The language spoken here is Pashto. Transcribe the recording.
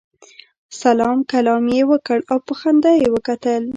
سلام کلام یې وکړ او په خندا یې وکتل.